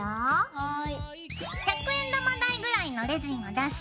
はい。